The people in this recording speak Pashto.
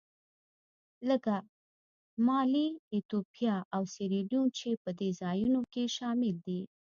لکه مالي، ایتوپیا او سیریلیون چې په دې ځایونو کې شامل دي.